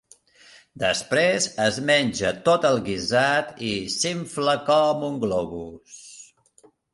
Després es menja tot el guisat i s'infla com un globus.